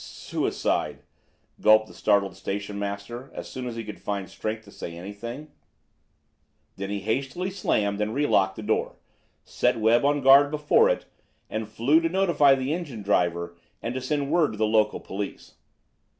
"Suicide," gulped the startled station master as soon as he could find strength to say anything; then he hastily slammed and relocked the door, set Webb on guard before it, and flew to notify the engine driver and to send word to the local police.